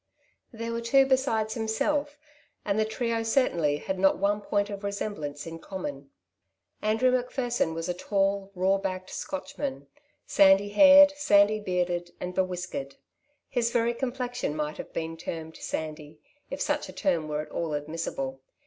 There were two besides himself, and the trio cer tainly had not one point of resemblance in common. Andrew Macpherson was a tall, raw backed Scotch man, sandy haired, sandy bearded, and bewhiskered. His very complexion might have been termed sandy, if such a term were at all admissible.